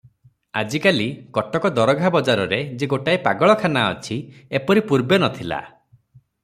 ଆଜିକାଲି କଟକ ଦରଘା ବଜାରରେ ଯେ ଗୋଟିଏ ପାଗଳଖାନା ଅଛି, ଏପରି ପୂର୍ବେ ନ ଥିଲା ।